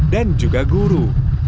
dan juga guru